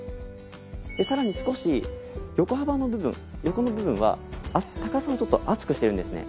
さらに少し横幅の部分横の部分は高さをちょっと厚くしてるんですね。